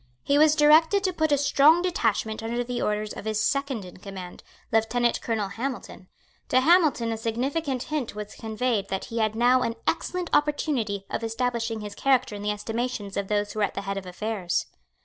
He was directed to put a strong detachment under the orders of his second in command, Lieutenant Colonel Hamilton. To Hamilton a significant hint was conveyed that he had now an excellent opportunity of establishing his character in the estimation of those who were at the head of affairs.